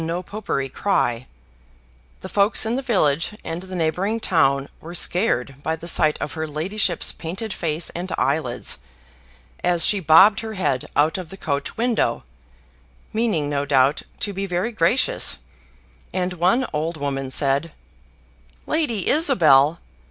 But 'twas in the height of the No Popery cry; the folks in the village and the neighboring town were scared by the sight of her ladyship's painted face and eyelids, as she bobbed her head out of the coach window, meaning, no doubt, to be very gracious; and one old woman said, "Lady Isabel!